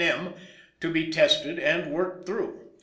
M.) to be tested and worked through.